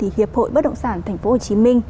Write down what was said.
hiệp hội bất động sản tp hcm